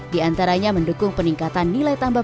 diantaranya mendukung peningkatan nilai tambah